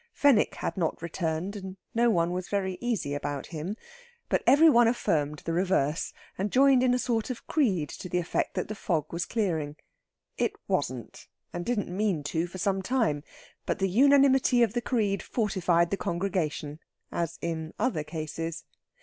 Fenwick had not returned, and no one was very easy about him. But every one affirmed the reverse, and joined in a sort of Creed to the effect that the fog was clearing. It wasn't and didn't mean to for some time. But the unanimity of the creed fortified the congregation, as in other cases.